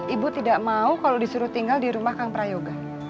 ibu tidak mau kalau disuruh tinggal di rumah kang prayoga